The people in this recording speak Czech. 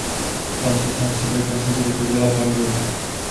Ptám se sám sebe, kam se tedy poděla Pandora.